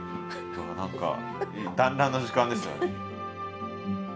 何か団らんの時間ですね。